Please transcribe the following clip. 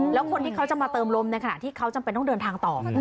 แล้วคนที่เขาจะมาเติมลมในขณะที่เขาจำเป็นต้องเดินทางต่อ